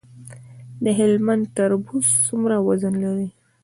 د هلمند تربوز څومره وزن لري؟